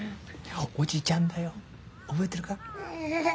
おじちゃんだよ覚えてるか？